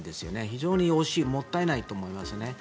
非常に惜しいもったいないと思いますね。